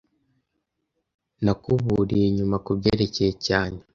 Nakuburiye nyuma kubyerekeye cyane